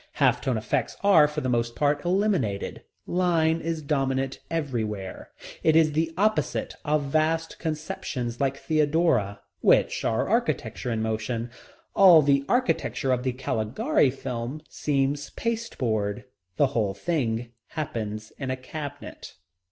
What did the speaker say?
Half tone effects are, for the most part, eliminated. Line is dominant everywhere. It is the opposite of vast conceptions like Theodora which are architecture in motion. All the architecture of the Caligari film seems pasteboard. The whole thing happens in a cabinet.